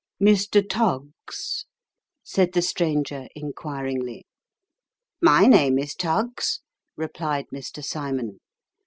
" Mr. Tuggs ?" said the stranger, inquiringly. " My name is Tuggs," replied Mr. Simon.